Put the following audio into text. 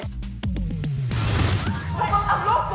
เย็นไหมครับ